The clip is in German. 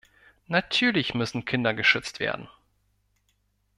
Natürlich müssen Kinder geschützt werden.